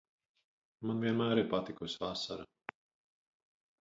Man vienmēr ir patikusi vasara.